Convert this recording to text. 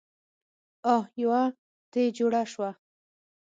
اح يوه تې جوړه شوه.